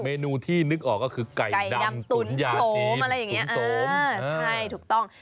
เมนูที่นึกออกก็คือไก่ดำตุ๋นยำสมอะไรอย่างเงี้สมเออใช่ถูกต้อง